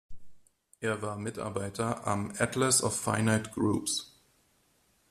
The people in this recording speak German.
Er war Mitarbeiter am „Atlas of finite groups“.